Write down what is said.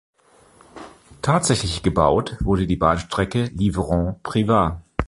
Tatsächlich gebaut wurde die Bahnstrecke Livron–Privas.